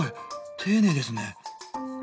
丁寧ですね。